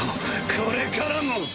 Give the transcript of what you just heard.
これからも！